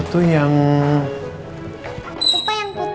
itu di bawah